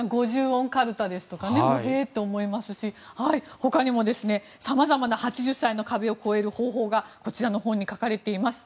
５０音カルタとかへえと思いますし他にも、さまざまな８０歳の壁を超える方法がこちらの本に書かれています。